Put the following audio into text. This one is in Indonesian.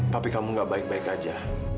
tapi kamu gak baik baik aja